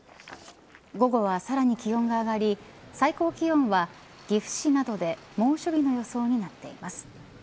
午後はさらに気温が上がり最高気温は岐阜市などで猛暑日の予想になっています。